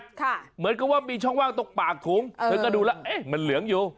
เหมือนกับว่ามีช่องว่างตรงปากถุงเธอก็ดูแล้วเอ๊ะมันเหลืองอยู่